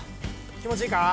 気持ちいいか？